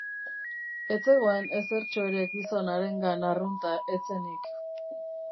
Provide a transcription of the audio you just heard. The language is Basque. Ez zegoen ezertxo ere gizon harengan arrunta ez zenik.